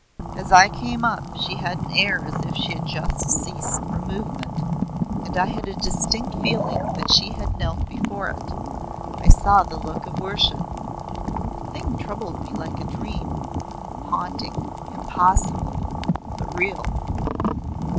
As I came up, she had an air as if she had just ceased from movement, and I had a distinct feeling that she had knelt before it I saw the look of worship! The thing troubled me like a dream, haunting, impossible, but real.